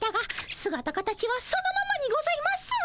すがた形はそのままにございます。